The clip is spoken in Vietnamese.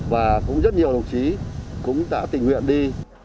và cũng rất nhiều đồng chí cũng đã tình nguyện đi